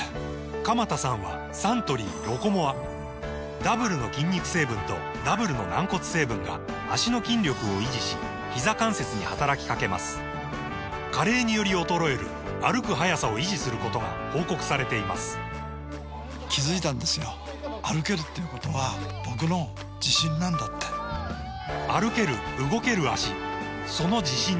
鎌田さんはサントリー「ロコモア」ダブルの筋肉成分とダブルの軟骨成分が脚の筋力を維持しひざ関節に働きかけます加齢により衰える歩く速さを維持することが報告されています歩ける動ける脚その自信に筋肉成分と軟骨成分